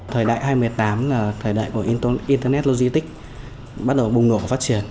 thời đại hai mươi tám là thời đại của internet logistics bắt đầu bùng nổ và phát triển